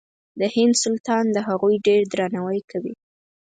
د هند سلطان د هغوی ډېر درناوی کوي.